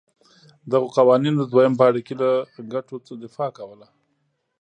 دغو قوانینو د دویم پاړکي له ګټو دفاع کوله.